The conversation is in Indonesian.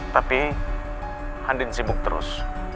tapi handin sibuk terus